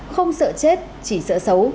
không sợ chết chỉ sợ xấu